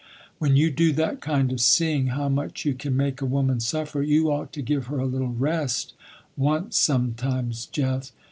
When you do that kind of seeing how much you can make a woman suffer, you ought to give her a little rest, once sometimes, Jeff.